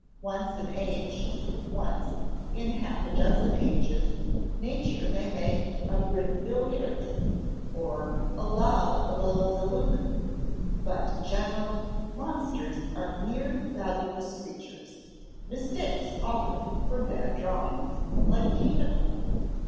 Once an age, once in half a dozen ages, nature may make a Brinvilliers, or art allow of a Zeluco; but, in general, monsters are mere fabulous creatures mistakes often, from bad drawings, like the unicorn."